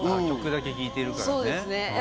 曲だけ聴いてるからね。